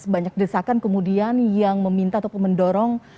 banyak desakan kemudian yang meminta ataupun mendorong